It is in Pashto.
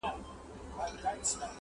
شمع به واخلي فاتحه د جهاني د نظم٫